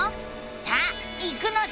さあ行くのさ！